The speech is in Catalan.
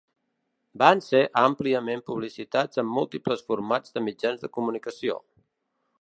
Van ser àmpliament publicitats en múltiples formats de mitjans de comunicació.